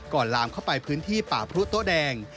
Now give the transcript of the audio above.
ลามเข้าไปพื้นที่ป่าพรุโต๊ะแดง